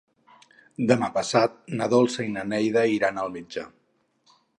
Demà passat na Dolça i na Neida iran al metge.